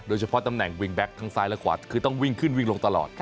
ตำแหน่งวิ่งแก๊กทั้งซ้ายและขวาคือต้องวิ่งขึ้นวิ่งลงตลอด